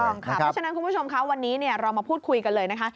เพราะฉะนั้นคุณผู้ชมคะวันนี้เรามาพูดคุยกันเลยนะคะ